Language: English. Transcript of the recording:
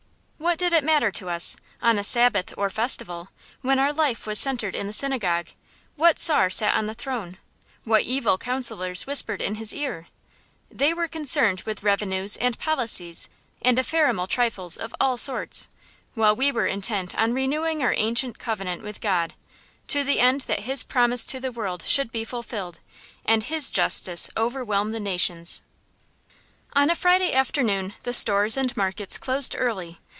What did it matter to us, on a Sabbath or festival, when our life was centred in the synagogue, what czar sat on the throne, what evil counsellors whispered in his ear? They were concerned with revenues and policies and ephemeral trifles of all sorts, while we were intent on renewing our ancient covenant with God, to the end that His promise to the world should be fulfilled, and His justice overwhelm the nations. On a Friday afternoon the stores and markets closed early.